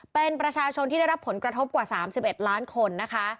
เป็นประชาชนที่ได้รับผลกระทบกว่า๓๑ล้านคนนะคะ